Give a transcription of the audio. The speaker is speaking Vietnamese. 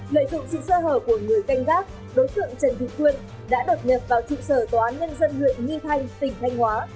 lợi dụng sự sơ hở của người canh gác đối tượng trần thị quyên đã đột nhập vào trụ sở tòa án nhân dân huyện nghi thanh tỉnh thanh hóa